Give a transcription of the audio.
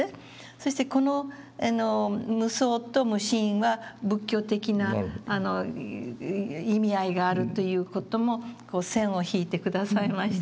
そしてこの「無相」と「無心」は仏教的な意味合いがあるという事も線を引いて下さいましてね。